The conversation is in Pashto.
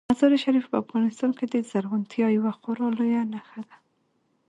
مزارشریف په افغانستان کې د زرغونتیا یوه خورا لویه نښه ده.